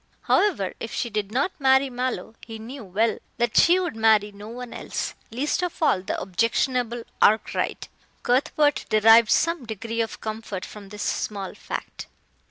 However, if she did not marry Mallow, he knew well that she would marry no one else, least of all the objectionable Arkwright, Cuthbert derived some degree of comfort from this small fact.